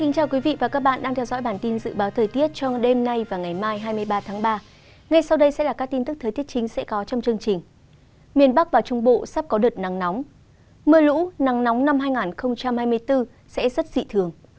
các bạn hãy đăng ký kênh để ủng hộ kênh của chúng mình nhé